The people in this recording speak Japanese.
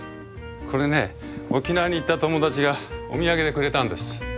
これね沖縄に行った友達がお土産でくれたんです。